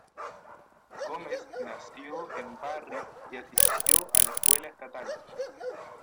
Gómez nació en Barry y asistió a la escuela estatal.